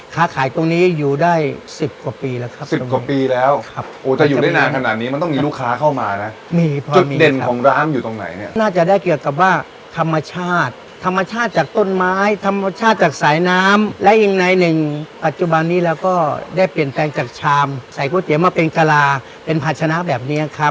ค้าขายตรงนี้อยู่ได้๑๐กว่าปีละครับ